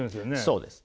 そうです。